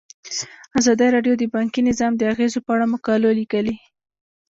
ازادي راډیو د بانکي نظام د اغیزو په اړه مقالو لیکلي.